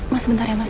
mas sebentar ya mas